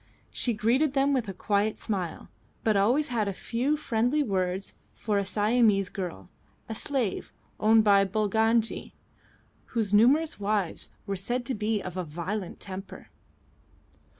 She greeted them with a quiet smile, but always had a few friendly words for a Siamese girl, a slave owned by Bulangi, whose numerous wives were said to be of a violent temper.